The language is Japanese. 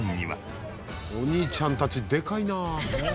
お兄ちゃんたちでかいなあ！